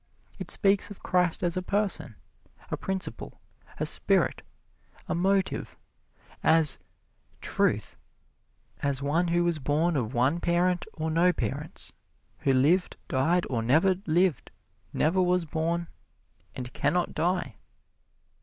It speaks of Christ as a person, a principle, a spirit, a motive; as "Truth"; as one who was born of one parent or no parents; who lived, died, or never lived, never was born, and can not die.